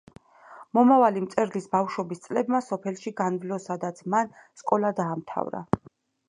მომავალი მწერლის ბავშვობის წლებმა სოფელში განვლო, სადაც მან სკოლა დაამთავრა.